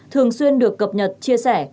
thường xuyên được cập nhật chia sẻ